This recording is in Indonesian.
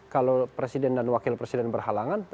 kalau presiden dan wakil presiden berhalangan